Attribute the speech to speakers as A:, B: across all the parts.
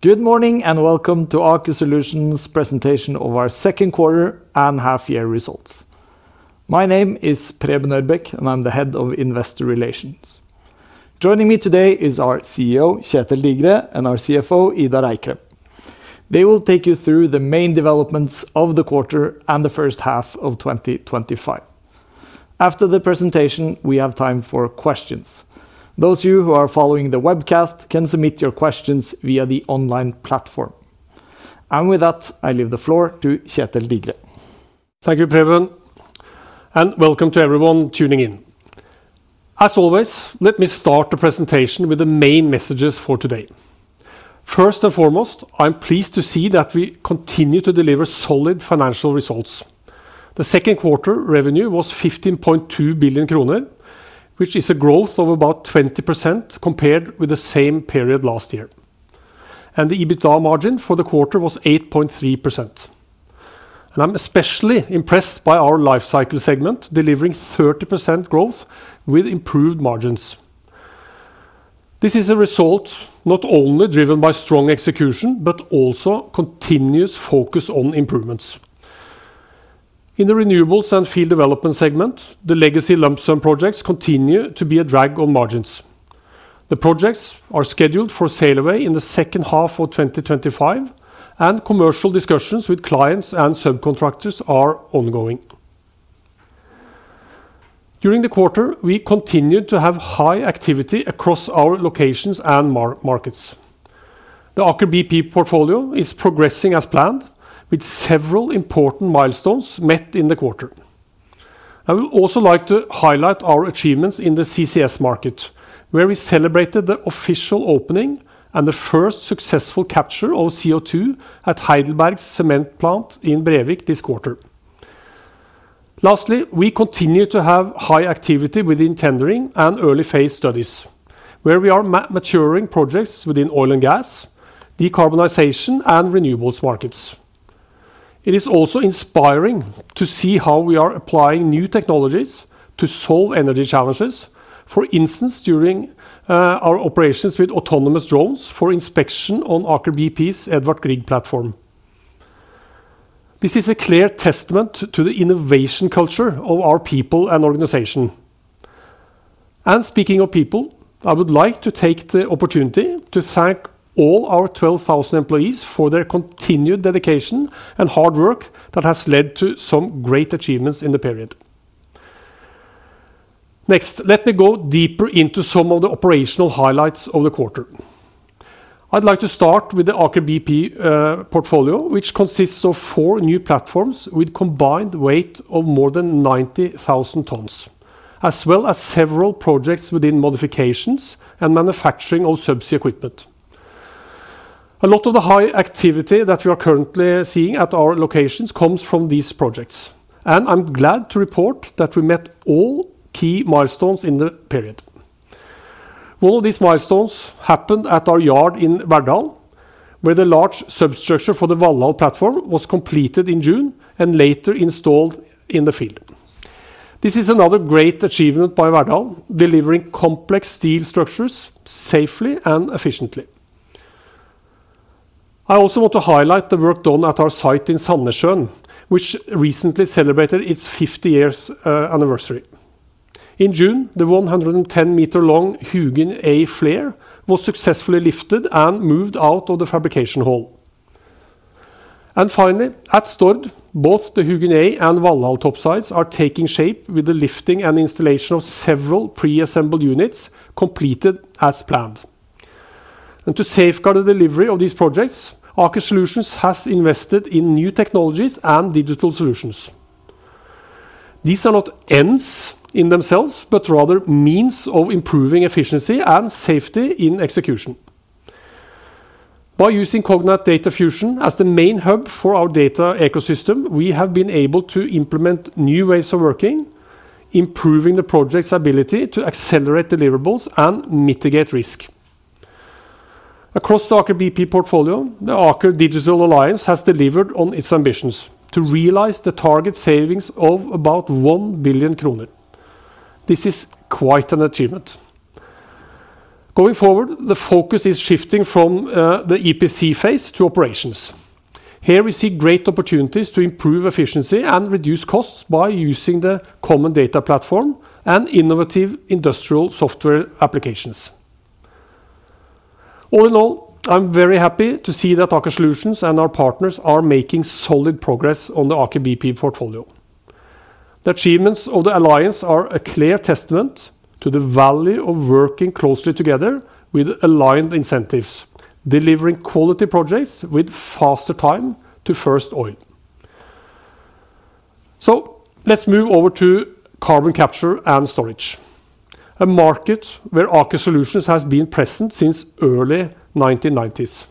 A: Good morning and welcome to Aker Solutions' presentation of our second quarter and half-year results. My name is Preben Ørbeck, and I'm the Head of Investor Relations. Joining me today are our CEO, Kjetel Digre, and our CFO, Idar Eikrem. They will take you through the main developments of the quarter and the first half of 2025. After the presentation, we have time for questions. Those of you who are following the webcast can submit your questions via the online platform. With that, I leave the floor to Kjetel Digre.
B: Thank you, Preben. Welcome to everyone tuning in. As always, let me start the presentation with the main messages for today. First and foremost, I'm pleased to see that we continue to deliver solid financial results. The second quarter revenue was 15.2 billion kroner, which is a growth of about 20% compared with the same period last year. The EBITDA margin for the quarter was 8.3%. I'm especially impressed by our lifecycle segment delivering 30% growth with improved margins. This is a result not only driven by strong execution, but also continuous focus on improvements. In the renewables and field development segment, the legacy lump sum projects continue to be a drag on margins. The projects are scheduled for sail away in the second half of 2025, and commercial discussions with clients and subcontractors are ongoing. During the quarter, we continued to have high activity across our locations and markets. The Aker BP portfolio is progressing as planned, with several important milestones met in the quarter. I would also like to highlight our achievements in the CCS market, where we celebrated the official opening and the first successful capture of CO2 at HeidelbergCement's plant in Brevik this quarter. Lastly, we continue to have high activity within tendering and early phase studies, where we are maturing projects within oil and gas, decarbonization, and renewables markets. It is also inspiring to see how we are applying new technologies to solve energy challenges, for instance, during our operations with autonomous drones for inspection on Aker BP's Edvard Grieg platform. This is a clear testament to the innovation culture of our people and organization. Speaking of people, I would like to take the opportunity to thank all our 12,000 employees for their continued dedication and hard work that has led to some great achievements in the period. Next, let me go deeper into some of the operational highlights of the quarter. I'd like to start with the Aker BP portfolio, which consists of four new platforms with a combined weight of more than 90,000 tons, as well as several projects within modifications and manufacturing of subsea equipment. A lot of the high activity that we are currently seeing at our locations comes from these projects. I'm glad to report that we met all key milestones in the period. One of these milestones happened at our yard in Verdal, where the large substructure for the Valhall platform was completed in June and later installed in the field. This is another great achievement by Verdal, delivering complex steel structures safely and efficiently. I also want to highlight the work done at our site in Sandnessjøen, which recently celebrated its 50-year anniversary. In June, the 110-meter-long Hugin A flare was successfully lifted and moved out of the fabrication hall. Finally, at Stord, both the Hugin A and Valhall topsides are taking shape with the lifting and installation of several pre-assembled units completed as planned. To safeguard the delivery of these projects, Aker Solutions has invested in new technologies and digital solutions. These are not ends in themselves, but rather means of improving efficiency and safety in execution. By using Cognite Data Fusion as the main hub for our data ecosystem, we have been able to implement new ways of working, improving the project's ability to accelerate deliverables and mitigate risk. Across the Aker BP portfolio, the Aker Digital Alliance has delivered on its ambitions to realize the target savings of about 1 billion kroner. This is quite an achievement. Going forward, the focus is shifting from the EPC phase to operations. Here, we see great opportunities to improve efficiency and reduce costs by using the Common Data platform and innovative industrial software applications. All in all, I'm very happy to see that Aker Solutions and our partners are making solid progress on the Aker BP portfolio. The achievements of the Alliance are a clear testament to the value of working closely together with aligned incentives, delivering quality projects with faster time to first oil. Let's move over to carbon capture and storage, a market where Aker Solutions has been present since the early 1990s.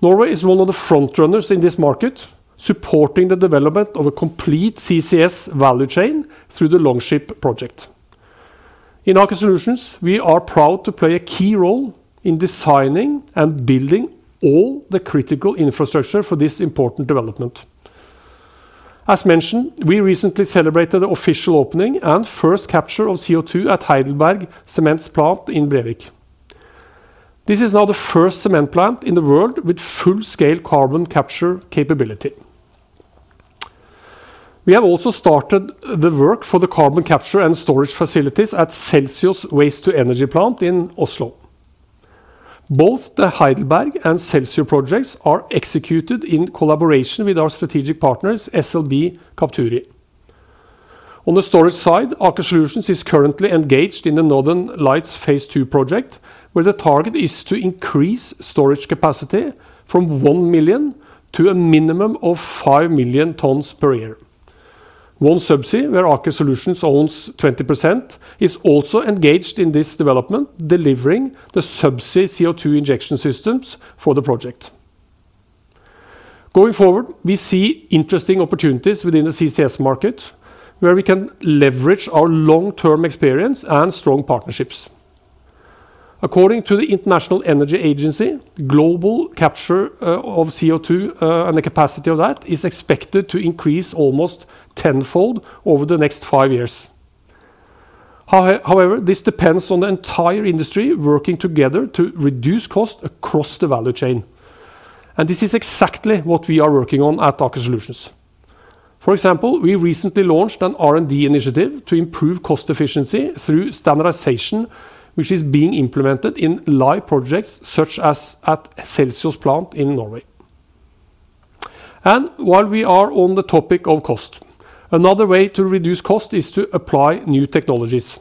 B: Norway is one of the frontrunners in this market, supporting the development of a complete CCS value chain through the Longship project. In Aker Solutions, we are proud to play a key role in designing and building all the critical infrastructure for this important development. As mentioned, we recently celebrated the official opening and first capture of CO2 at HeidelbergCement's plant in Brevik. This is now the first cement plant in the world with full-scale carbon capture capability. We have also started the work for the Carbon Capture and Storage facilities at Celsio's Waste-to-Energy plant in Oslo. Both the Heidelberg and Celsio projects are executed in collaboration with our strategic partners, SLB Capturi. On the storage side, Aker Solutions is currently engaged in the Northern Lights Phase 2 project, where the target is to increase storage capacity from 1 million to a minimum of 5 million tons per year. OneSubsea, where Aker Solutions owns 20%, is also engaged in this development, delivering the subsea CO2 injection systems for the project. Going forward, we see interesting opportunities within the CCS market, where we can leverage our long-term experience and strong partnerships. According to the International Energy Agency, global capture of CO2 and the capacity of that is expected to increase almost tenfold over the next five years. However, this depends on the entire industry working together to reduce costs across the value chain. This is exactly what we are working on at Aker Solutions. For example, we recently launched an R&D initiative to improve cost efficiency through standardization, which is being implemented in live projects such as at Celsio's plant in Norway. While we are on the topic of cost, another way to reduce cost is to apply new technologies.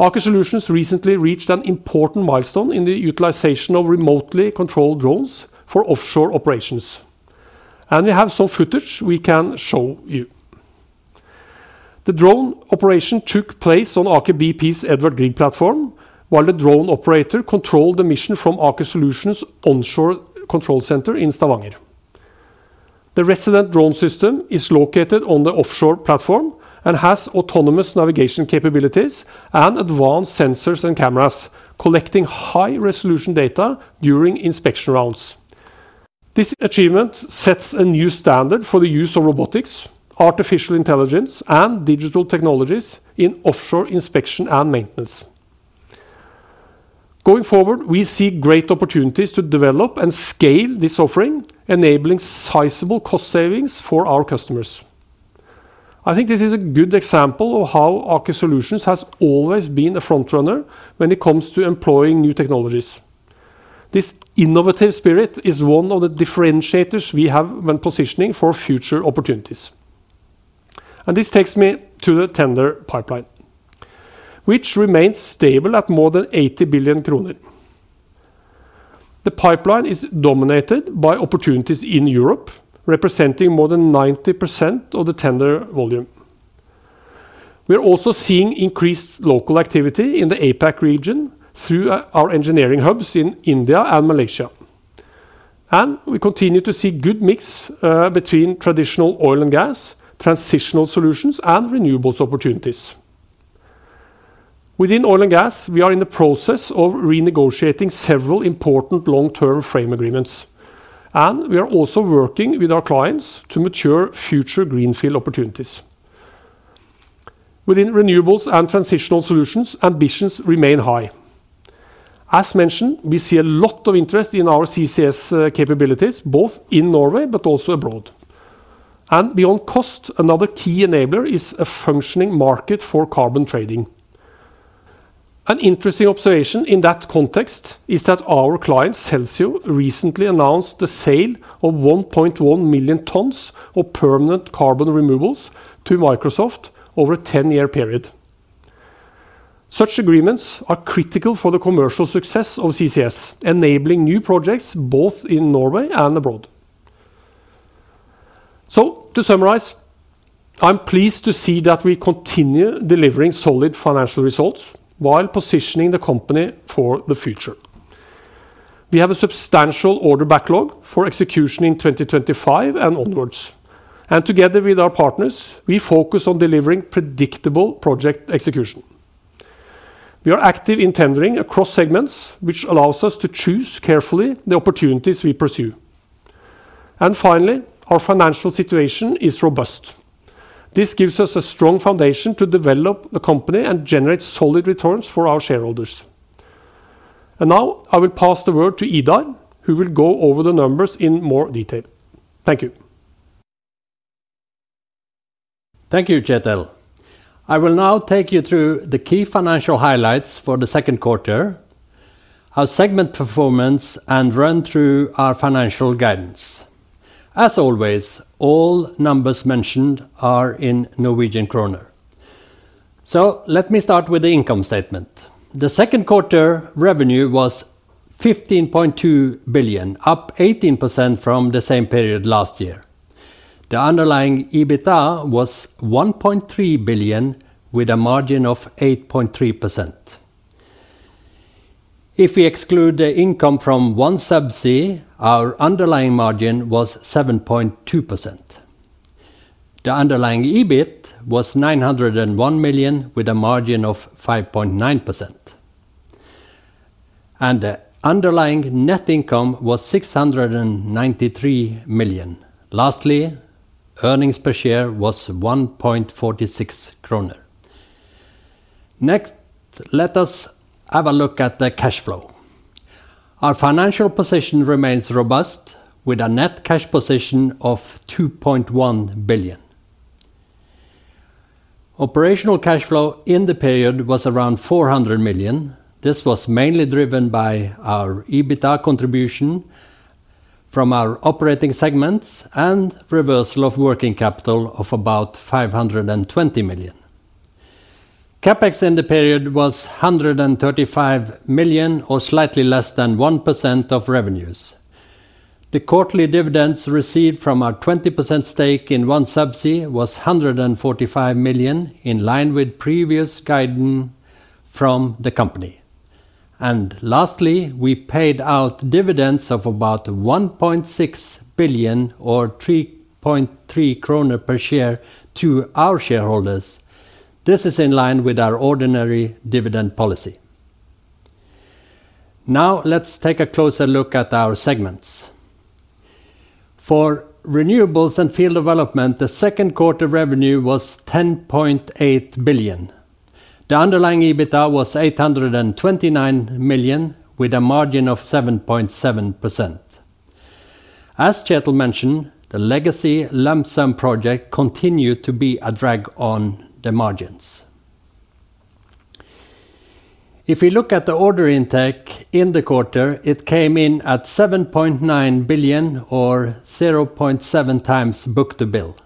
B: Aker Solutions recently reached an important milestone in the utilization of remotely controlled drones for offshore operations, and we have some footage we can show you. The drone operation took place on Aker BP's Edvard Grieg platform, while the drone operator controlled the mission from Aker Solutions' onshore control center in Stavanger. The resident drone system is located on the offshore platform and has autonomous navigation capabilities and advanced sensors and cameras collecting high-resolution data during inspection rounds. This achievement sets a new standard for the use of robotics, artificial intelligence, and digital technologies in offshore inspection and maintenance. Going forward, we see great opportunities to develop and scale this offering, enabling sizable cost savings for our customers. I think this is a good example of how Aker Solutions has always been a frontrunner when it comes to employing new technologies. This innovative spirit is one of the differentiators we have when positioning for future opportunities. This takes me to the tender pipeline, which remains stable at more than 80 billion kroner. The pipeline is dominated by opportunities in Europe, representing more than 90% of the tender volume. We are also seeing increased local activity in the APAC region through our engineering hubs in India and Malaysia. We continue to see a good mix between traditional oil and gas, transitional solutions, and renewables opportunities. Within oil and gas, we are in the process of renegotiating several important long-term frame agreements. We are also working with our clients to mature future greenfield opportunities. Within renewables and transitional solutions, ambitions remain high. As mentioned, we see a lot of interest in our CCS capabilities, both in Norway but also abroad. Beyond cost, another key enabler is a functioning market for carbon trading. An interesting observation in that context is that our client, Celsio, recently announced the sale of 1.1 million tons of permanent carbon removals to Microsoft over a 10-year period. Such agreements are critical for the commercial success of CCS, enabling new projects both in Norway and abroad. To summarize, I'm pleased to see that we continue delivering solid financial results while positioning the company for the future. We have a substantial order backlog for execution in 2025 and onwards. Together with our partners, we focus on delivering predictable project execution. We are active in tendering across segments, which allows us to choose carefully the opportunities we pursue. Finally, our financial situation is robust. This gives us a strong foundation to develop the company and generate solid returns for our shareholders. I will pass the word to Idar, who will go over the numbers in more detail. Thank you.
C: Thank you, Kjetel. I will now take you through the key financial highlights for the second quarter, our segment performance, and run through our financial guidance. As always, all numbers mentioned are in Norwegian kroner. Let me start with the income statement. The second quarter revenue was 15.2 billion, up 18% from the same period last year. The underlying EBITDA was 1.3 billion with a margin of 8.3%. If we exclude the income from OneSubsea, our underlying margin was 7.2%. The underlying EBIT was 901 million with a margin of 5.9%. The underlying net income was 693 million. Lastly, earnings per share was 1.46 kroner. Next, let us have a look at the cash flow. Our financial position remains robust, with a net cash position of 2.1 billion. Operational cash flow in the period was around 400 million. This was mainly driven by our EBITDA contribution from our operating segments and reversal of working capital of about 520 million. CapEx in the period was 135 million, or slightly less than 1% of revenues. The quarterly dividends received from our 20% stake in OneSubsea was 145 million, in line with previous guidance from the company. Lastly, we paid out dividends of about 1.6 billion, or 3.3 kroner per share, to our shareholders. This is in line with our ordinary dividend policy. Now, let's take a closer look at our segments. For renewables and field development, the second quarter revenue was 10.8 billion. The underlying EBITDA was 829 million, with a margin of 7.7%. As Kjetel mentioned, the legacy lump sum project continued to be a drag on the margins. If we look at the order intake in the quarter, it came in at 7.9 billion, or 0.7x book-to-bill.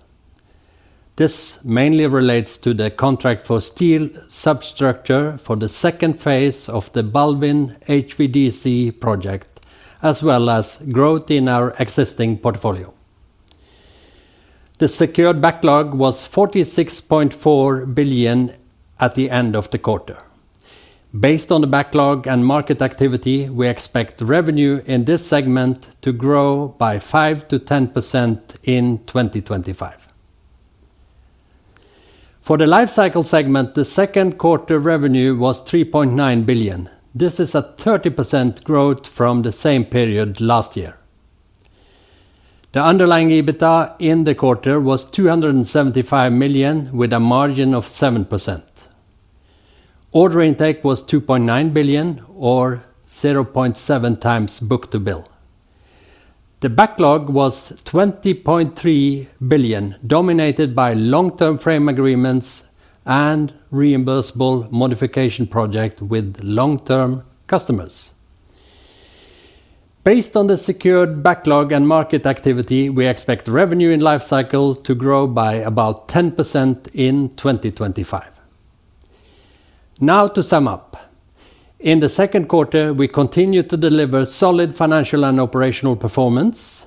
C: This mainly relates to the contract for steel substructure for the second phase of the BalWin HVDC project, as well as growth in our existing portfolio. The secured backlog was 46.4 billion at the end of the quarter. Based on the backlog and market activity, we expect revenue in this segment to grow by 5% to 10% in 2025. For the lifecycle segment, the second quarter revenue was 3.9 billion. This is a 30% growth from the same period last year. The underlying EBITDA in the quarter was 275 million, with a margin of 7%. Order intake was 2.9 billion, or 0.7x book-to-bill. The backlog was 20.3 billion, dominated by long-term frame agreements and reimbursable modification projects with long-term customers. Based on the secured backlog and market activity, we expect revenue in lifecycle to grow by about 10% in 2025. To sum up, in the second quarter, we continue to deliver solid financial and operational performance.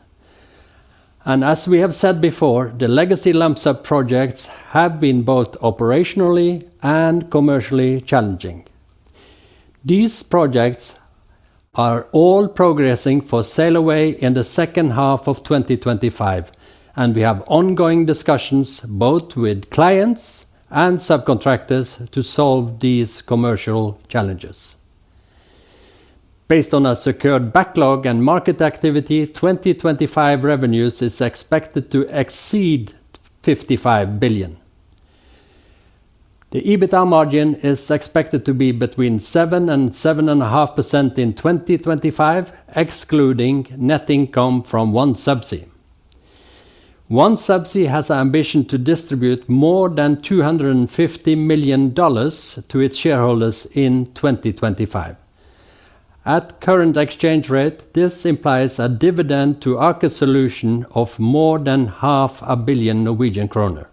C: As we have said before, the legacy lump sum projects have been both operationally and commercially challenging. These projects are all progressing for sail away in the second half of 2025. We have ongoing discussions both with clients and subcontractors to solve these commercial challenges. Based on our secured backlog and market activity, 2025 revenues are expected to exceed 55 billion. The EBITDA margin is expected to be between 7% and 7.5% in 2025, excluding net income from OneSubsea. OneSubsea has the ambition to distribute more than $250 million to its shareholders in 2025. At the current exchange rate, this implies a dividend to Aker Solutions of more than half a billion Norwegian kroner.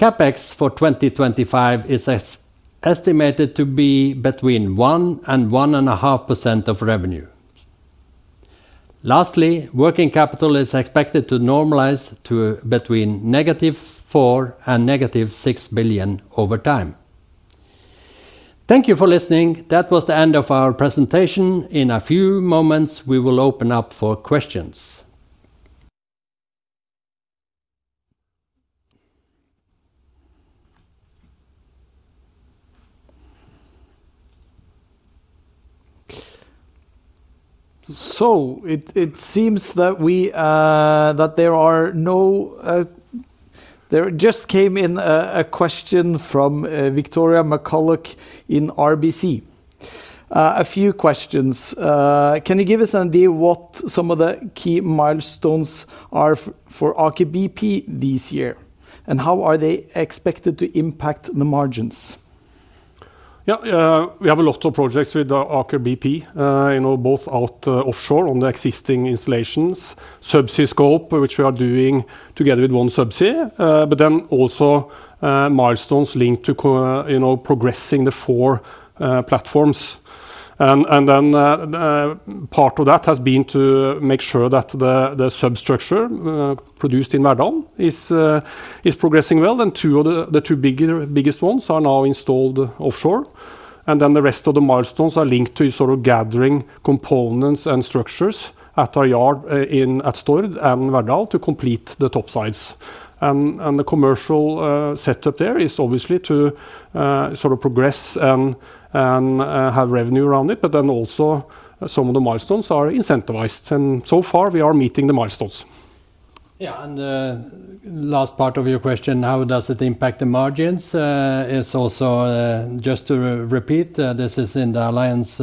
C: CapEx for 2025 is estimated to be between 1% and 1.5% of revenue. Lastly, working capital is expected to normalize to between -4 billion and -6 billion over time. Thank you for listening. That was the end of our presentation. In a few moments, we will open up for questions.
A: It seems that there are no... There just came in a question from Victoria McCulloch in RBC. A few questions. Can you give us an idea of what some of the key milestones are for Aker BP this year? And how are they expected to impact the margins?
B: Yeah. We have a lot of projects with Aker BP, both offshore on the existing installations, subsea scope, which we are doing together with OneSubsea, but then also milestones linked to progressing the four platforms. Part of that has been to make sure that the substructure produced in Verdal is progressing well. Two of the two biggest ones are now installed offshore. The rest of the milestones are linked to gathering components and structures at our yard in Stord and Verdal to complete the topsides. The commercial setup there is obviously to progress and have revenue around it, but then also some of the milestones are incentivized. So far, we are meeting the milestones.
C: Yeah, the last part of your question, how does it impact the margins? It's also, just to repeat, this is in the Alliance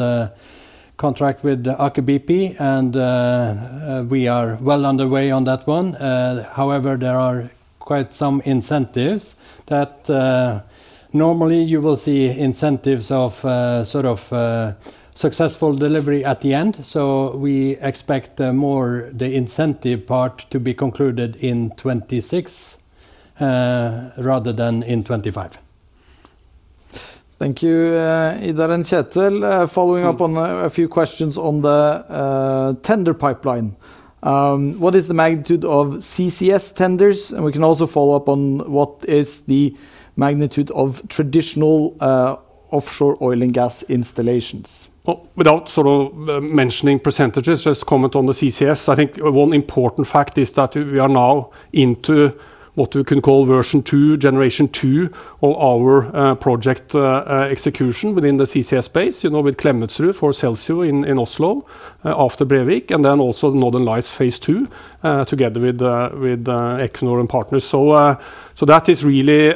C: contract with Aker BP. We are well underway on that one. However, there are quite some incentives that normally you will see incentives of successful delivery at the end. We expect more the incentive part to be concluded in 2026 rather than in 2025.
A: Thank you, Idar and Kjetel. Following up on a few questions on the tender pipeline, what is the magnitude of CCS tenders? We can also follow up on what is the magnitude of traditional offshore oil and gas installations?
B: Without mentioning percentages, just comment on the CCS. I think one important fact is that we are now into what we can call version two, generation two of our project execution within the CCS space, with Klemetsrud for Celsio in Oslo after Brevik, and then also the Northern Lights Phase 2 together with Equinor and partners. That is really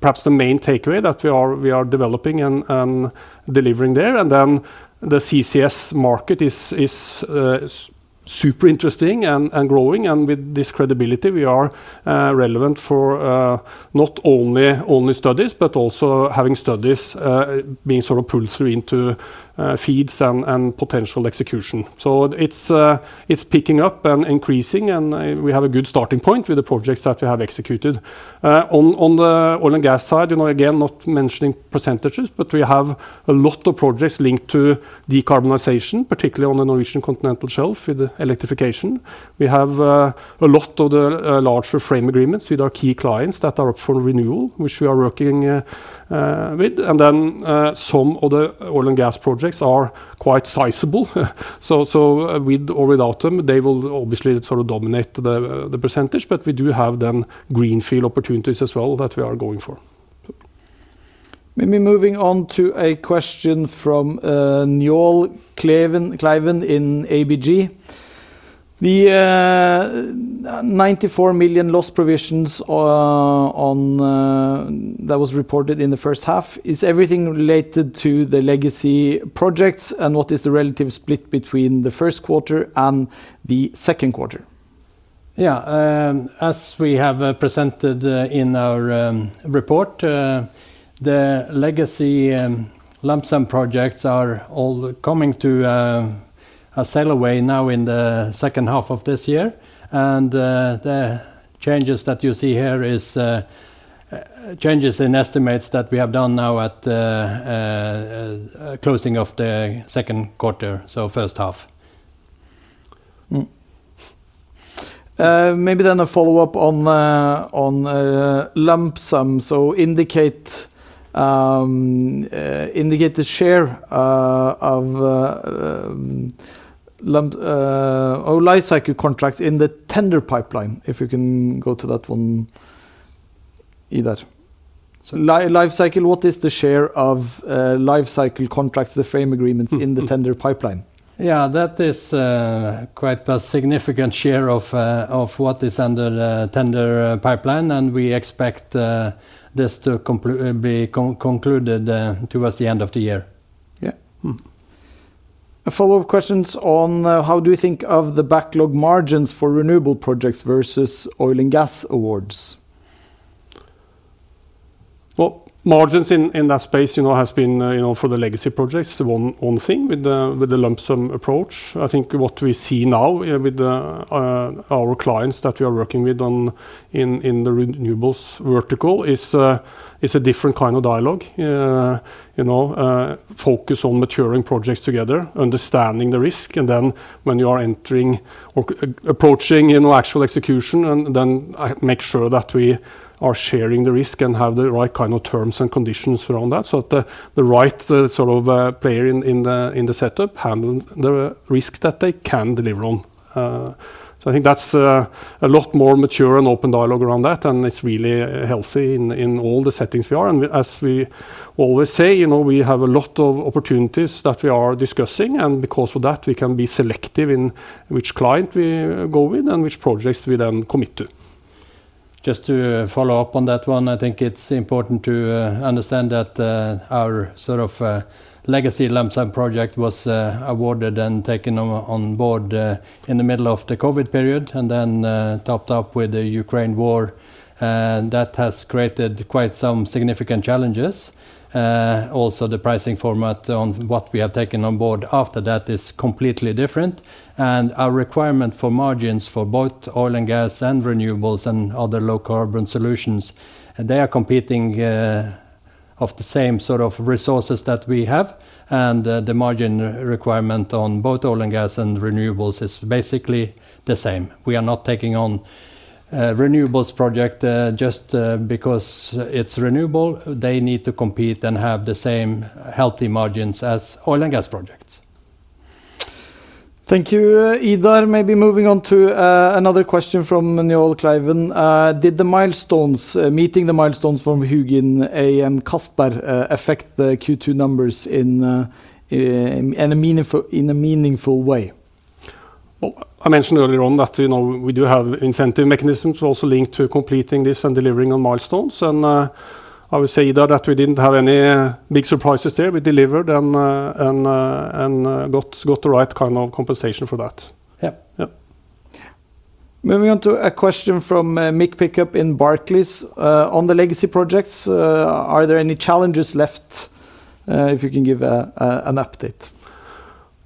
B: perhaps the main takeaway that we are developing and delivering there. The CCS market is super interesting and growing. With this credibility, we are relevant for not only studies, but also having studies being sort of pulled through into feeds and potential execution. It's picking up and increasing. We have a good starting point with the projects that we have executed. On the oil and gas side, again, not mentioning percentages, we have a lot of projects linked to decarbonization, particularly on the Norwegian continental shelf with electrification. We have a lot of the larger frame agreements with our key clients that are up for renewal, which we are working with. Some of the oil and gas projects are quite sizable. With or without them, they will obviously sort of dominate the percentage. We do have then greenfield opportunities as well that we are going for.
A: Maybe moving on to a question from Njål Kleiven in ABG. The $94 million loss provisions that were reported in the first half, is everything related to the legacy projects? What is the relative split between the first quarter and the second quarter?
C: As we have presented in our report, the legacy lump sum projects are all coming to a sail away now in the second half of this year. The changes that you see here are changes in estimates that we have done now at the closing of the second quarter, so first half.
A: Maybe a follow-up on lump sum. Indicate the share of lifecycle contracts in the tender pipeline, if you can go to that one, Idar. Lifecycle, what is the share of lifecycle contracts, the frame agreements in the tender pipeline?
C: Yeah, that is quite a significant share of what is under the tender pipeline. We expect this to be concluded towards the end of the year.
A: Yeah, a follow-up question is on how do you think of the backlog margins for renewable projects versus oil and gas awards?
B: Margins in that space have been for the legacy projects one thing with the lump sum approach. I think what we see now with our clients that we are working with in the renewables vertical is a different kind of dialogue. Focus on maturing projects together, understanding the risk. When you are approaching actual execution, make sure that we are sharing the risk and have the right kind of terms and conditions around that so that the right sort of player in the setup handles the risk that they can deliver on. I think that's a lot more mature and open dialogue around that. It's really healthy in all the settings we are. As we always say, we have a lot of opportunities that we are discussing. Because of that, we can be selective in which client we go with and which projects we then commit to.
C: Just to follow up on that one, I think it's important to understand that our sort of legacy lump sum project was awarded and taken on board in the middle of the COVID period, and then topped up with the Ukraine war. That has created quite some significant challenges. Also, the pricing format on what we have taken on board after that is completely different. Our requirement for margins for both oil and gas and renewables and other low-carbon solutions, they are competing for the same sort of resources that we have. The margin requirement on both oil and gas and renewables is basically the same. We are not taking on a renewables project just because it's renewable. They need to compete and have the same healthy margins as oil and gas projects.
A: Thank you, Idar. Maybe moving on to another question from Njål Kleiven. Did the milestones, meeting the milestones from Hugin A and Castberg, affect the Q2 numbers in a meaningful way?
B: I mentioned earlier on that we do have incentive mechanisms also linked to completing this and delivering on milestones. I would say, Idar, that we didn't have any big surprises there. We delivered and got the right kind of compensation for that.
A: Yeah. Moving on to a question from Mick Pickup in Barclays. On the legacy projects, are there any challenges left? If you can give an update.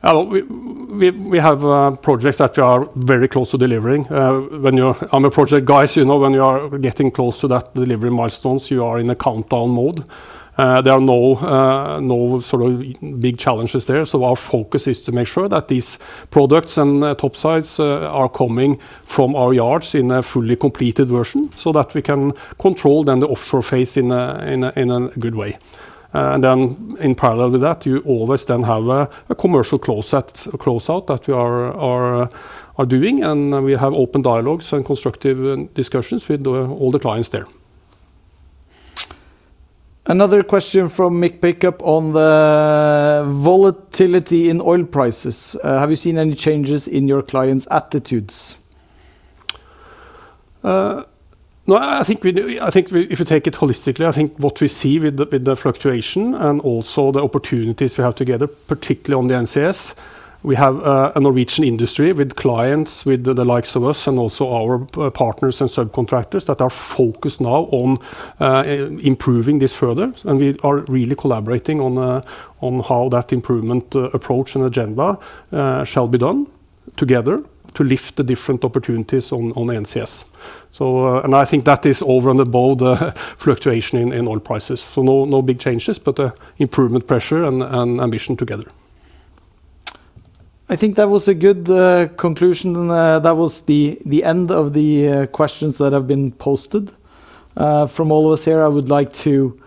B: We have projects that we are very close to delivering. When you're on the project, you know when you are getting close to that delivery milestone, you are in a countdown mode. There are no big challenges there. Our focus is to make sure that these products and topsides are coming from our yards in a fully completed version so that we can control the offshore phase in a good way. In parallel with that, you always have a commercial closeout that we are doing. We have open dialogues and constructive discussions with all the clients there.
A: Another question from Mick Pickup on the volatility in oil prices. Have you seen any changes in your clients' attitudes?
B: I think if you take it holistically, what we see with the fluctuation and also the opportunities we have together, particularly on the NCS, we have a Norwegian industry with clients with the likes of us and also our partners and subcontractors that are focused now on improving this further. We are really collaborating on how that improvement approach and agenda shall be done together to lift the different opportunities on NCS. I think that is over and above the fluctuation in oil prices. No big changes, but improvement pressure and ambition together.
A: I think that was a good conclusion. That was the end of the questions that have been posted. From all of us here, I would like to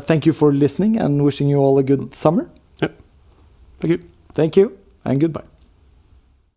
A: thank you for listening and wishing you all a good summer.
B: Thank you.
A: Thank you and goodbye.